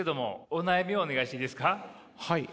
はい。